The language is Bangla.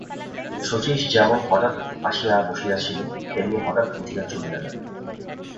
শচীশ যেমন হঠাৎ আসিয়া বসিয়াছিল তেমনি হঠাৎ উঠিয়া চলিয়া গেল।